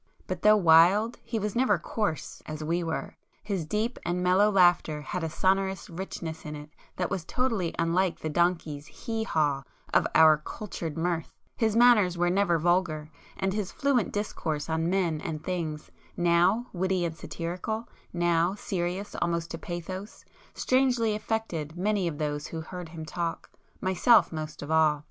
But though wild he was never coarse,—as we were; his deep and mellow laughter had a sonorous richness in it that was totally unlike the donkey's 'hee haw' of our 'cultured' mirth,—his manners were never vulgar; and his fluent discourse on men and things, now witty and satirical, now serious almost to pathos, strangely affected many of those who heard him talk, myself most of all.